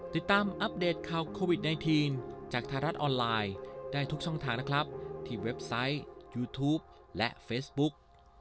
อัปเดตข่าวโควิด๑๙จากไทยรัฐออนไลน์ได้ทุกช่องทางนะครับที่เว็บไซต์ยูทูปและเฟซบุ๊ก